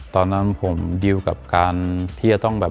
ตอนนั้นผมดิวกับการที่จะต้องแบบ